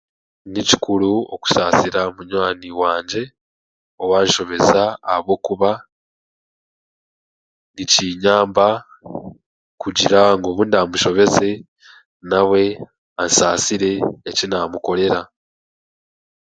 Ni kikuru okusaasira munywani wangye owaanshobeza ahabwokuba nikiinyamba kugira ngu obunaamusobeze nawe ansaasire eki naamukorera.